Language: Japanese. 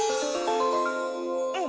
うん。